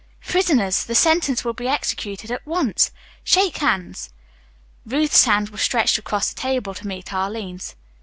"Prisoners, the sentence will be executed at once. Shake hands." Ruth's hand was stretched across the table to meet Arline's.